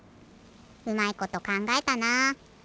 うまいことかんがえたな。